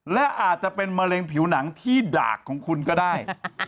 และอาจจะเป็นมะเร็งผิวหนังที่ดากของคุณก็ได้